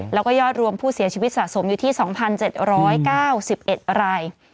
แล้วก็ยอดรวมผู้เสียชีวิตสะสมอยู่ที่๒๗๙๑ราย